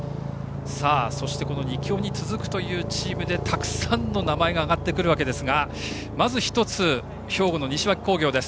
そして２強に続くチームでたくさんの名前が挙がってくるわけですがまず１つ、兵庫の西脇工業です。